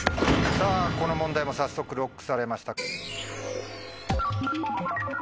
さぁこの問題も早速ＬＯＣＫされました。